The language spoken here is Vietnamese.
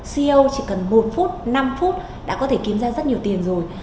ceo chỉ cần một phút năm phút đã có thể kiếm ra rất nhiều tiền rồi